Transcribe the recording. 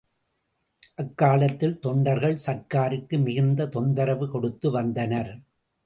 அக்காலத்தில் தொண்டர்கள் சர்க்காருக்கு மிகுந்த தொந்தரவு கொடுத்து வந்தனர்.